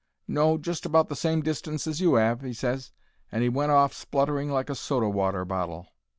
"No; just about the same distance as you 'ave," he ses, and he went off spluttering like a soda water bottle.